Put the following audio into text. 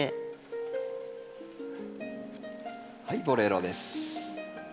はいボレロです。